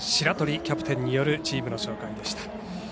白取キャプテンによるチームの紹介でした。